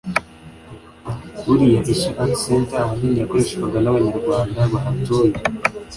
Buriya Ishyo Art Center ahanini yakoreshwaga n’abanyarwanda bahatuye